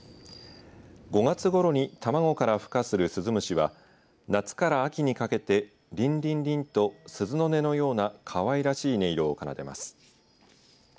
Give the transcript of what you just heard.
５月ごろに卵からふ化するスズムシは夏から秋にかけてリンリンリンと鈴の音のようなかわいらしい音色を奏でます。